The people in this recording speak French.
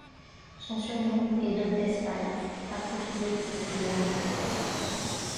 Son surnom est Dopey Spice parce qu'il est le plus lent du groupe.